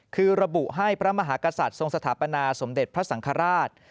คือระบุให้พระมหากษัตริย์ทรงสถาปนาสมเด็จพระสังฆราช